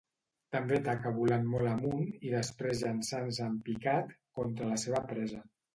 També ataca volant molt amunt i després llançant-se en picat contra la seva presa.